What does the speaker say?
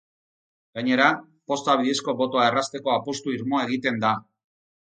Gainera, posta bidezko botoa errazteko apustu irmoa egiten da.